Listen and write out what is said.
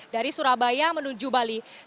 dari surabaya menuju bali